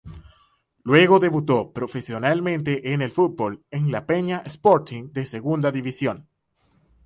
Luego debutó profesionalmente en el fútbol en La Peña Sporting de Segunda División.